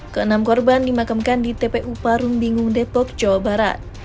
keenam korban dimakamkan di tpu parung bingung depok jawa barat